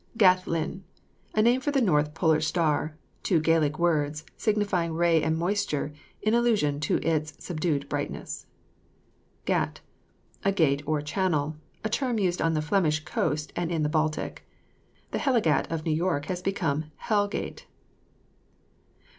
GATH LINN. A name of the north polar star; two Gaelic words, signifying ray and moisture, in allusion to its subdued brightness. GATT. A gate or channel, a term used on the Flemish coast and in the Baltic. The Hellegat of New York has become Hell Gate.